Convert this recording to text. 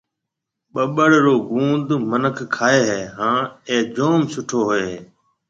ٻُٻڙ رو گُوند مِنک کائي هيَ هانَ اَي جوم سُٺو هوئي هيَ۔